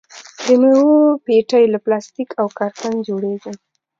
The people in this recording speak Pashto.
د میوو پیټۍ له پلاستیک او کارتن جوړیږي.